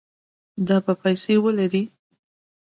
دا به پیسې ولري